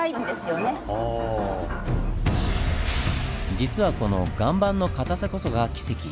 実はこの「岩盤のかたさ」こそがキセキ。